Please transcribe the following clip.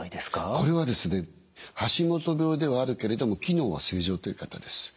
これはですね橋本病ではあるけれども機能は正常という方です。